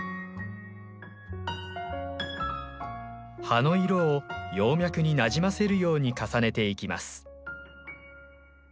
葉の色を葉脈になじませるように重ねていきます。